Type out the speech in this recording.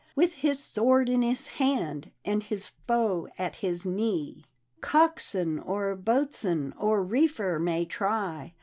With his sword in his hand, and his foe at his knee. Cockswain, or boatswain, or reefer may try.